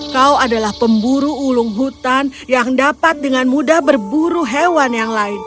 kau adalah pemburu ulung hutan yang dapat dengan mudah berburu hewan yang lain